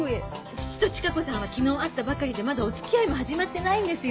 父とチカ子さんは昨日会ったばかりでまだお付き合いも始まってないんですよ。